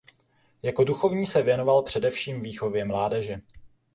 Jako duchovní se věnoval především výchově mládeže.